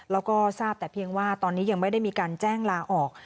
แล้วก็ทราบแต่เพียงว่าตอนนี้ยังไม่ได้มีการแจ้งลาออก